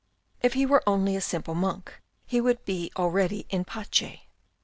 If he were only a simple monk he would be already in pace.